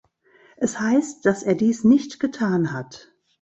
Es heißt, dass er dies nicht getan hat.